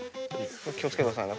気を付けてくださいね。